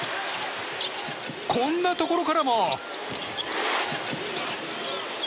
こんなところからも！